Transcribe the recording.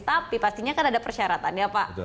tapi pastinya kan ada persyaratannya pak